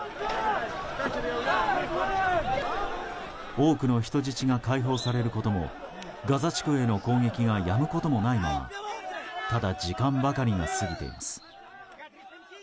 多くの人質が解放されることもガザ地区への攻撃がやむこともないままただ、時間ばかりが過ぎています。